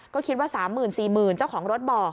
ก็คิดว่า๓๔๐๐๐เจ้าของรถบอก